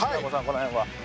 この辺は。